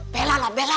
bela lah bela